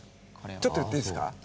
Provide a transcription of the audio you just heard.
ちょっと言っていいですか？